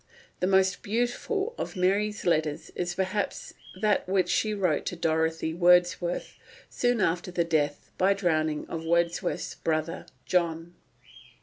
The most beautiful of Mary's letters is perhaps that which she wrote to Dorothy Wordsworth, soon after the death by drowning of Wordsworth's brother John.